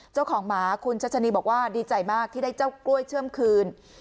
เจ้าของหมาคุณชัชนีบอกว่าดีใจมากที่ได้เจ้ากล้วยเชื่อมคืน